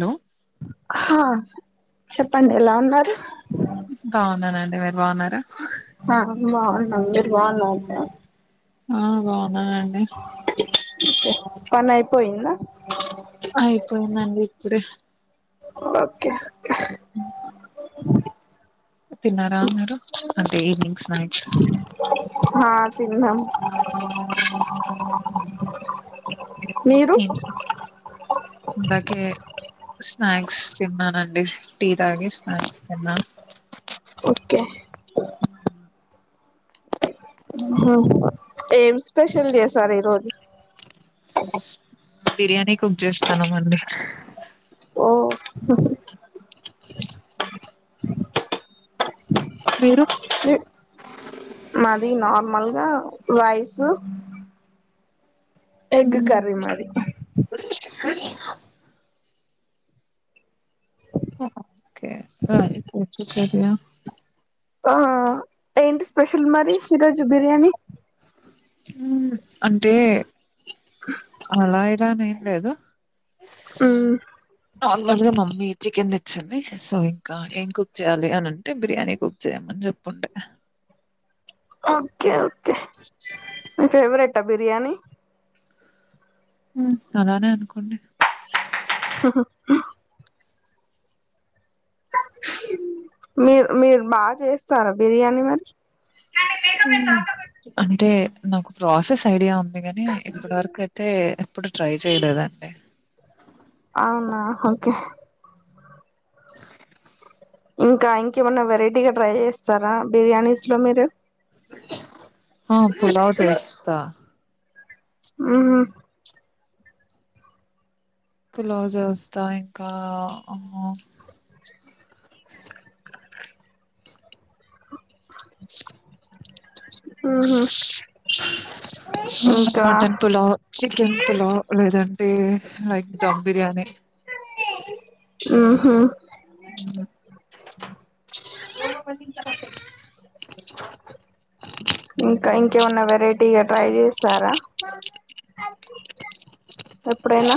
No హ చెప్పండి ఎలా ఉన్నారు. బాగున్నానండ. మీరు బాగున్నార? ఆ బావున్ అందరు బావున్నారా ఆ బాగున్నానండి పనయిపోయింద అయిపోయిందండి ఇప్పుడే ఓకే తిన్నార మీరు అంటే ఈవి నింగ్స్ స్నాక్స్ తిన్నం మీరు ఇంచ్ ఇందాకే స్నాక్స్ తిన్నానండి టీ తాగి స్నాక్స్ తిన్నా ఓకే ఊహ్మ్ ఏం స్పెషల్ చేసారు ఈ రోజు బిర్యానీ కుక్ జేస్తన్నమండి ఓ హ్మ్ మీరు మాది నార్మల్గా రైస్ ఎగ్ కర్రీ మాది స [unintelligible] ఓహో ఓకే ఆ ఇపుడు చు చేసేద ఆ ఏంటి స్పెషల్ మరి షిరోజు బిర్యానీ ఊ అంటే అలాయిత్ పనేం లేదు ఉమ్ నార్మల్గా మమ్మీ చికెన్ తెచ్చింది సో ఇంకా ఏం కుక్ చేయ్యాలి అని అంటే బిర్యానీ కుక్ చేయమని చెప్పుండే ఓకే ఓ [unintelligible] ఆ బిర్యానీ ఊ అలానే అనుకోండి హహ ఆ మీరు మీర్ బాగా చేస్తారా బిర్యానీ మరి హ్మ్. అంటే నాకు ప్రాసెస్ ఐడియా ఉంది అందుకని ఇప్పడు వరకు అయితే ఎప్పుడు ట్రై చేయలేదండి అవునా ఓకే [unintelligible] ఇంకా ఇంకేమన్నా వెరైటీగా ట్రై చేస్తారా బిర్యానీస్ లో మీరు హ పులావు తో చేస్తా ఉమ్ పులావు జెస్తా ఇంకా అమ్మో ఉహు ఇంకా మటన్ పులావ్, చికెన్ పులావ్ లేదంటే లైక్ ధమ్ బిర్యానీ. ఉహు [unintelligible] ఇంక ఇంకేమన్నా వెరైటీగా ట్రై చేసారా. ఎప్పుడైనా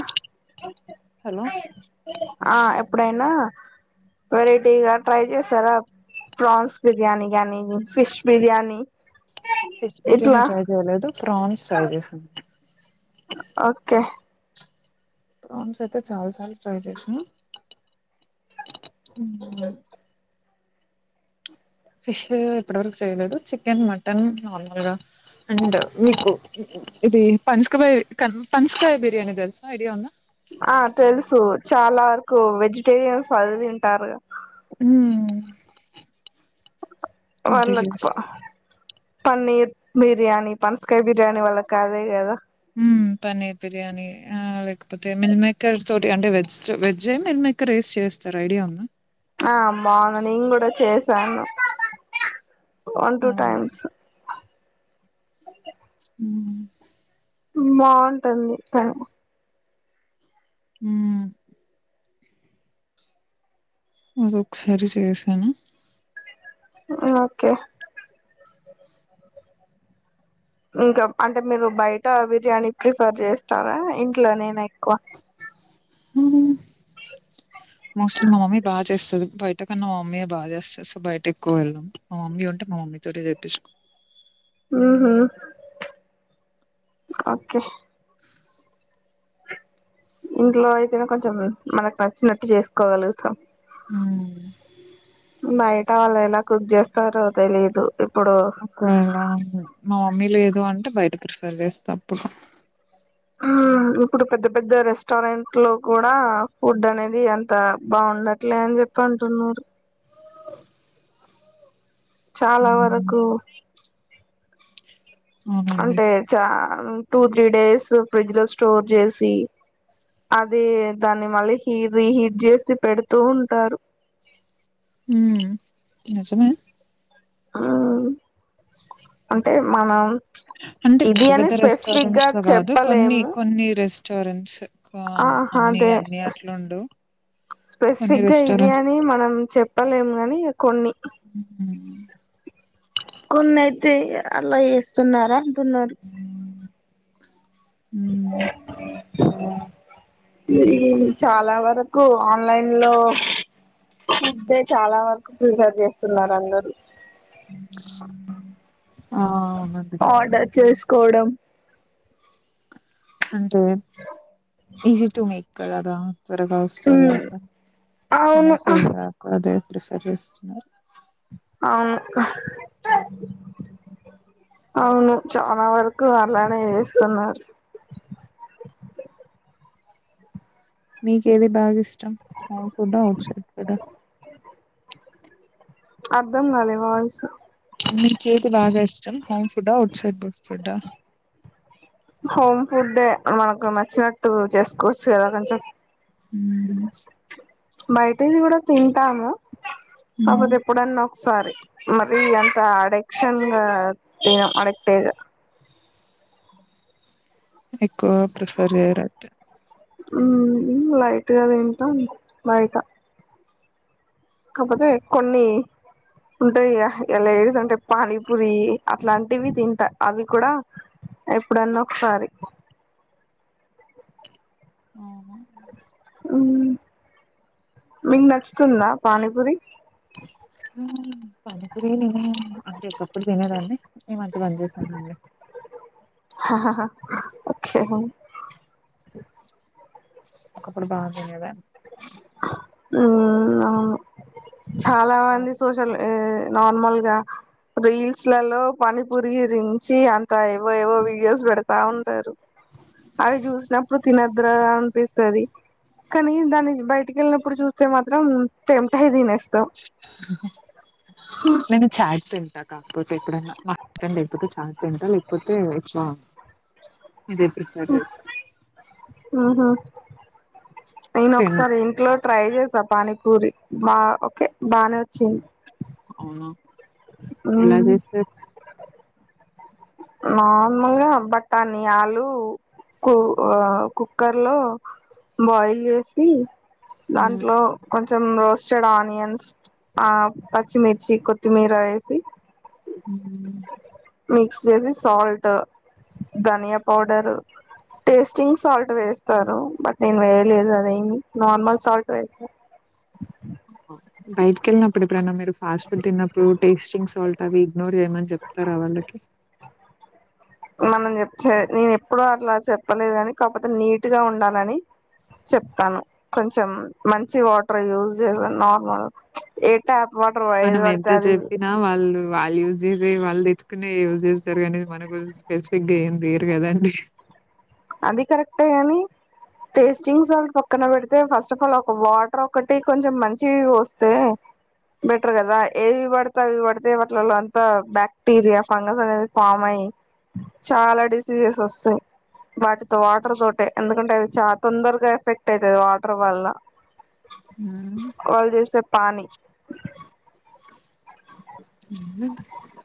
హలో! ఆ ఎప్పుడైనా వెరైటీగా ట్రై చేసారా, ప్రాన్స్ బిర్యానీ గానీ ఫిష్ బిర్యానీ. ఫిష్ బిర్యానీ ఇట్లా ట్రై చేయలేదు ప్రాన్స్. ట్రై చేశన్. ఓకే ప్రాన్స్ అయితే చాలా సార్లు ట్రై చేస్న ఫిష్ ఇప్పటి వరకు చేయలేదు, చికెన్ మటన్ నార్మల్గా అండ్ మీకు ఇది పన్స్ కుబొయ్, క్కన్ పన్సకాయ బిర్యానీ థెల్సా ఐడియా ఉందా. ఆ తెలుసు చాలా అర్కు వెజిటేరియన్స్ అది తింటారు. హు వాళ్ళక్ క్వ పన్నీర్ బిర్యానీ పనసకాయ బిర్యానీ వాళ్ళక్ అదే కదా. హు పన్నీర్ బిర్యానీ ఆ లేకపోతే మిన్ మేకర్ తోటి అంటే వెజ్జు, వెజ్జె మిన్ మేకర్ ఏసి చేస్తారు ఐడియా ఉందా. ఆ మార్నింగ్ కూడా చేశాను. వన్ అవును టూటైమ్స్ అే మ్మ్. బాంటుంది కను హు అదొక్కసారి చేసాను. ఓకే ఇంకా అంటే మీరు బైట బిర్యానీ ప్రిఫర్ చేస్తారా ఇంట్లోనేనె ఎక్కువ. మోస్ట్లీ మా మమ్మీ బాగా చేస్సది, బయట కన్నా మా మమ్మీయె బా చేస్సది. సో బయట ఎక్కువ వెళ్ళమ్, మా మమ్మీ ఉంటే మా మమ్మీ తోటి చెపిస్ హుహు, ఓకే ఇంట్లో అయితేనె కొంచెం మనకు న చ్చినట్టు చేస్కోగలుగుతం. ఉ బైట వాళ్ళ్ ఎల కుక్ జెస్తారో తెలీదు. ఇప్పుడు అ కొయ్యిల ఉంటది. మా మమ్మీ లేదు అంటే బయట ప్రిఫర్ చేస్త అప్పుడు ఆ ఎపుడు పెద్ద పెద్ద రెస్టారెంట్ లో కూడా ఫుడ్ అనేది అంత బావుండట్లే అని చెప్పి అంటున్నారు. చాలా మ్మ్ వరకు ప్చ్ అవునండి అంటే చా టూ త్రీ డేస్ ఫ్రిడ్జ్ లో స్టోర్ చేసి, అదే దాన్ని మళ్ళీ హీరి హీట్ జేసి పెడుతూ ఉంటారు. హు, నిజమె ఆ అంటే మనం అంటే ఇది పెద్ద అని పెద్ద స్పెసిఫిక్ గా రెస్టారెంట్స్ లో కాదు కొన్ని కొన్ని రెస్ స్స్టోరెన్స్ ఆ అదే కొన్ని స్పెసిఫిక్గా ఇది రెస్టారెంట్స్ అని మనం చెప్ ట్టలేం గనీ ఇగ కొన్ని కొన్ని అయితే అలా చేస్తున్నారా అంటున్నారు ఊ ఊ ఇ చాలా వరకు ఆన్లైన్ లో ఫుడ్డే చాలా వరకు ప్రిఫేర్ చేస్తున్నారు అందరు ఆ అవునండి కోడం అంటే ఈజీ టు మేక్ కదా గా త్వరగా వస్తది ఉమ్ గద అవును అనేసి నాకు అదే ప్రిఫర్ చేస్తున్నారు అవును అవును చాలా వరకు అలానే చేస్తున్నారు మీకేది బాగ ఇష్టం హోమ్ ఫుడా అఔట్ సైడ్ ఫుడా అర్ధం గాలే వాయిసు మీకేది బాగా ఇష్టం హోమ్ ఫుడ అఔట్సైడ్ బ ఫుడ హోమ్ ఫుడ్డే మనకు నచ్చినట్టు చేసుకోవచ్చు కదా కొంచెం ఊ బయటది కూడా తింటాను హ్మ్. కాపోతే ఎప్పుడన్నా ఒకసారి మరి అంత అడెక్షన్ గా తినం అడక్తేజ ఎక్కువ ప్రిఫర్ చేయరు అయితే ఊ లైట్గా తింటాం బైట కాకపోతే కొన్ని ఉంటాయి ఇగ లేడీస్ అంటె పానీపూరి అట్లాంటివి తింటా అవి కూడా ఎప్పుడన్నా ఒకసారి అవునా ఉమ్ మీకు నచ్చుతుందా పానీపూరి ఊ పానిపూరి నేను అంటే ఒకప్పుడు తినేదాని ఈ మధ్య బం జేశానండి క్షేమం ఒకప్పుడు బాగ్ తినేదని ఊమ్ అవును చాలా ఆ, మంది సోషల్ ఎ నార్మల్ గా రీల్స్ లలో పానిపురించి అంత ఏవో ఏవో వీడియోస్ పెడతా ఉంటారు అవి చూసినప్పుడు తినద రా అనిపిస్తది కానీ దాని బయటికెళ్ళిన ఇప్పుడు చూస్తే మాత్రం టెమ్ట్ అయ్ దినేస్త పోతే ఎపుడన మ అక్కను దేపోతే చాలు కింటలు ఏపోతే చాలు ఇదే ప్రిఫర్ చే ఉహు నేను ఒకసారి ఇంట్లో ట్రై చేస్ పానీపూరి బా ఓకే బానే వచ్చింది అవునా ఇలా హ్మ్. చేస్తే నార్మల్గా బట్టాన్ని ఆలు కు కుక్కర్ లో బాయిల్ చేసి హ్మ్. దాంట్లో కొం కొంచం రోస్టెడ్ ఆనియన్స్ ఆ పచ్చిమిర్చి కొత్తిమీర వేసి హ మిక్స్ వసి సాల్ట్ ధనియా పౌడరు టేస్టింగ్ సాల్ట్ వేస్తారు బట్ నేను వేయలేదు అది ఏమి నార్మల్ సాల్ట్ వే బయటికెళ్ళినప్పుడు ఎప్పుడైనా మీరు ఫాస్ట్ ఫుడ్ తిన్నప్పుడు టేస్టింగ్ సు పల్లవి రోజు ఏమన చెప్తార వాళ్ళకి మనం చెప్ నేను ఎప్పుడు అలా చెప్పలేదు కాని కాకపోతే నీట్ గా ఉండాలని చెప్తాను కొంచం మంచి వాటర్ యూజ చేస నార్మల్ ఏ ట్యాప్ వాటర్ ఏది మనం ఎంత పడితే అది చెప్పినా వాళ్ళు వాళ్ళ్యూ చేసే వా తెచ్చుకునే యూజ్ చేస్తారు గాని మన కోసం స్పే పిగ్ ఏం తీయరు కదండి అది కరెక్టే గాని టేస్టింగ్ సాల్ట్ పక్కన పెడితే ఫస్ట్ ఆఫ్ ఆల్ ఒక వాటర్ ఒకటి కొంచం మంచివివి వస్తే బెటర్ కదా ఏవి పడితే అవి పడితే వాటిలలో అంతా బాక్టీరియా ఫంగస్ అనేది ఫామ్ అయ్యి చాలా డిసీజెస్ వస్తాయి వాటితో వాటర్ తోట ఎందుకంటే అది చాలా తొందరగా ఎఫెక్ట్ అవుతుంది వాటర్ వల్ల హ్మ్. వాళ్ జేసే స పనీ [inaudible]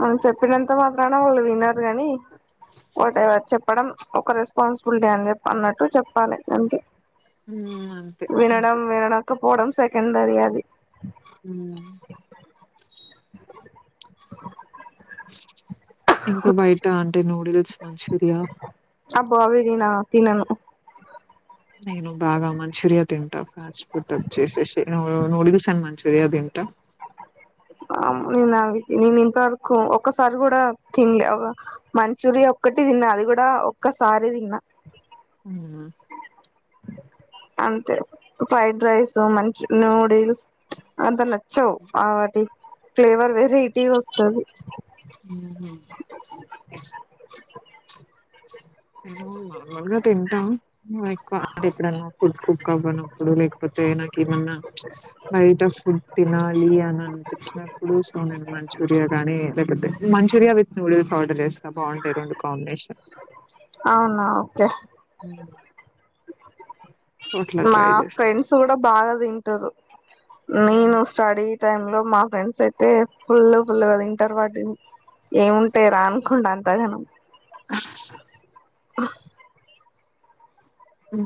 మనం చెప్పినంత మాత్రాన వాళ్ళు వినరు ని ఒకటివ చెప్పడం ఒక రెస్పాన్సిబిలిటీ అని చె అన్నట్టు చెప్పాలి దనకి హ్మ్. అంతే వినడం ఇంకా. వినడకపోవడం సెకండరి అది హ్మ్. ఇంకా బయట అంట అంటే నూడిల్స్ మంచూరియా దనా తినను నేను బాగా మంచూరియా తింటా ఫాస్ట్ ఫుడ్ వేసేసి నూడిల్స్ అని మంచూరియా తింటా నేను అవి నేను ఇంతవరకు ఒసారి కూడా తినలే మంచూరియా ఒక్కటి తిన్నా అది కూడా ఒక్కసారి తిన్నా ఆ అంతే ఫ్రైడ్ రైస్ మంచి నూడిల్స్ అంత నచ్చవు వాటి ఫ్లేవర్ వెరైటీ వస్తుంది హుహు. [inaudible] ల్గా తింటాంక్కువ అంటే ఎప్పుడన్నా ఫుడ్ కుక్ అవ్వనప్పుడు లేకపోతే నాకు ఏమన్నా బయట ఫుడ్ తినాలి అని అనిపించినప్పుడు సో నేను మంచూరియా గాని లేకపోతే మంచూరియా విత్ నూడిల్స్ కౌడ రేస్తా బాగుంటాయి రెండు కాంబినేషన్ అవునా ఓకే అ మా ఫ్రెండ్స్ కూడా బాగా తింటారు నేను మ్మ్. స్టడీ టై లో మా ఫ్రెండ్స్ అయితే ఫుల్ ఫుల్ కద ఇంటర్ వాటి ఏముంటే రానుకుండా అంతగానం అ [inaudible] ఆ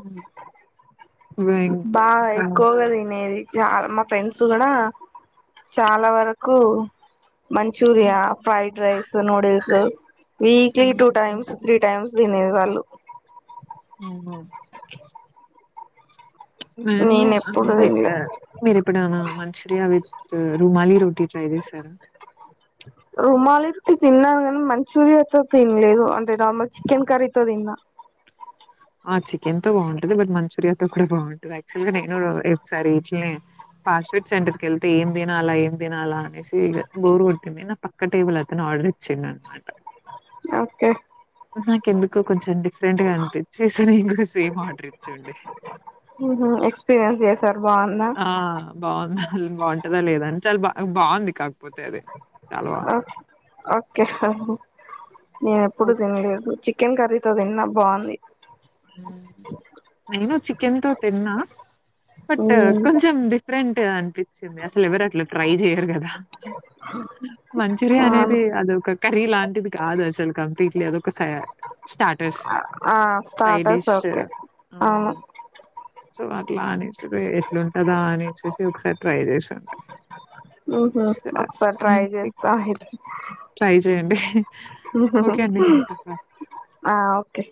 బా ఎయికుగదు నది మా ఫ్రెండ్స్ కూడా చాలా వరకు Manchuria fried rice noodles weekly మ్మ్. టూ టైమ్స్ త్రీ టైమ్స్ తినేది వాళ్ళు ఆ నేను ఎప్పుడు తినలే మీరు ఎప్పుడూ అయినా మచురియా విత్ రూమాలి రోటీ ట్రై చేసారా రుమాలి రోటి తిన్నాను కానీ మంచూరియాతో తిన్లేదు అంటే నార్మల్ చికెన్ కర్రీతో తిన్నా ఆ చికెన్ తో బాగుంటది బట్ మంచూరియా తో కూడా బాగుంటంది యాక్చువల్ గా నేనుసారి ఇట్నే ఫాస్ట్ ఫుడ్ సెంటర్కి వెళ్తే ఏం తినాలా ఏం తినాలా అనేసి బోరు కొట్టింది నా పక్క టేబుల్ అతను ఆర్డర్ ఇచ్చిండు అనమాట ఓకే నాకెందుకు కొంచెం డిఫరెంట్ గా అనిపించి చూసి నేను కూడా సేమ్ ఆర్డర్ ఇచ్చండి ఎక్స్పీరియన్స్ చేసారు బాగుందా ఆ బాగు బాగుంటందా లేదని చాలు బా బాగుంది కా ఓకే నేను ఎప్పుడు ఓహ్! తినలేదు చిక్ చికెన్ కర్రీతో తిన్నా బాగుంది నేను చికెన్ తో తిన్నా బట్ కొంచెం డిఫరెంట్ అనిపించింది అసలు ఎవరు అట్లా ట్రై చెయరు కదా మంచూరియా అవును అనేది అదొక కర్రీ లాంటిది కాదు అసలు కంప్లీట్లీ అదొక స ఆ స్టార్టస్ ఒకే అవును హ్మ్. సో అట్లా అనేసి ఎట్లుంటందా అనిచ్చేసి ఒకసారి ట్రై చేసండి ఒకసారి ట్రై చేస్తాం అయితే ట్రై చేయండి. ఓకే అండి. ఉంటా. బాయ్. ఆ ఓకే